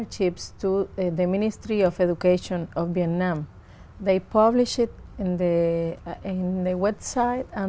chủ tịch uyên phú sơn